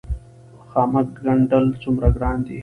خامک ګنډل څومره ګران دي؟